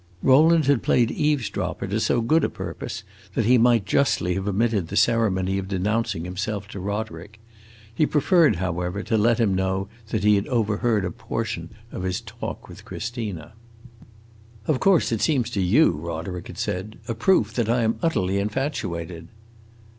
Rowland had played eavesdropper to so good a purpose that he might justly have omitted the ceremony of denouncing himself to Roderick. He preferred, however, to let him know that he had overheard a portion of his talk with Christina. "Of course it seems to you," Roderick said, "a proof that I am utterly infatuated."